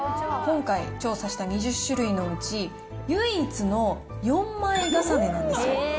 今回、調査した２０種類のうち、唯一の４枚重ねなんですよ。